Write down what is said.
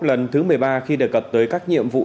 lần thứ một mươi ba khi đề cập tới các nhiệm vụ